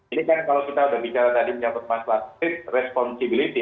ini kan kalau kita sudah bicara tadi menyangkut masalah responsibility